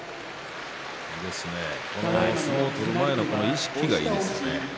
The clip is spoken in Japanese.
相撲を取る前の意識がいいですね。